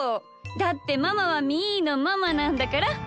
だってママはみーのママなんだから。